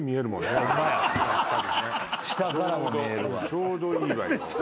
ちょうどいいわよ。